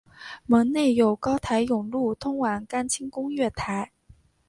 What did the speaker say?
门内有高台甬路通往干清宫月台。